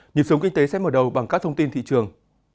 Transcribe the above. nhịp sống kinh tế sẽ mở đầu bằng các thông tin thị trường